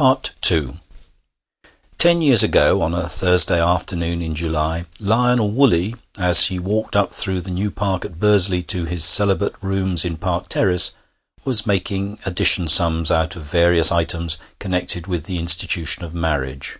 II Ten years ago on a Thursday afternoon in July, Lionel Woolley, as he walked up through the new park at Bursley to his celibate rooms in Park Terrace, was making addition sums out of various items connected with the institution of marriage.